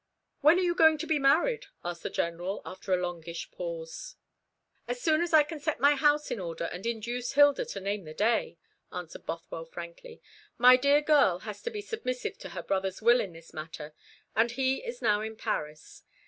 "When are you going to be married?" asked the General, after a longish pause. "As soon as I can set my house in order and induce Hilda to name the day," answered Bothwell frankly. "My dear girl has to be submissive to her brother's will in this matter, and he is now in Paris.